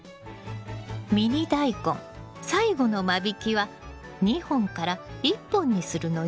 ミニダイコン最後の間引きは２本から１本にするのよ。